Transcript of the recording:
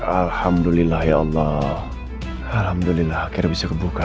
alhamdulillah ya allah alhamdulillah akhir bisa kebukan